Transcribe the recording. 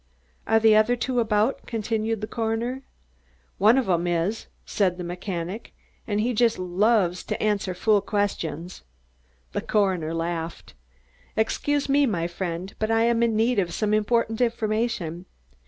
"Are the others about?" continued the coroner. "One of 'em is," said the mechanic, "and he just loves to answer fool questions." The coroner laughed. "Excuse me, my friend, but I am in need of some important information.